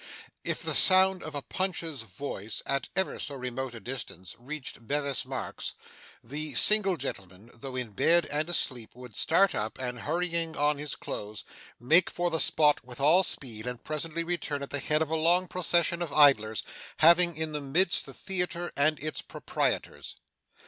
If the sound of a Punch's voice, at ever so remote a distance, reached Bevis Marks, the single gentleman, though in bed and asleep, would start up, and, hurrying on his clothes, make for the spot with all speed, and presently return at the head of a long procession of idlers, having in the midst the theatre and its proprietors.